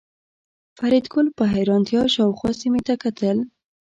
فریدګل په حیرانتیا شاوخوا سیمې ته کتل